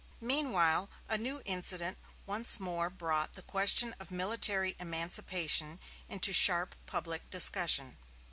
Meanwhile a new incident once more brought the question of military emancipation into sharp public discussion.